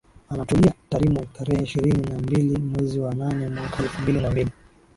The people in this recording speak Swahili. Anatolia Tarimo tarehe ishirini na mbili mwezi wa nane mwaka elfu mbili na mbili